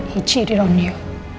dia menyerah kamu